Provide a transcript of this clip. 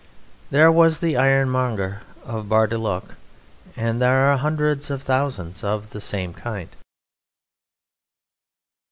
There was the Ironmonger of Bar le Duc; and there are hundreds of thousands of the same kind.